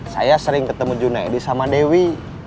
saya sering ketemu junaidi sama dewi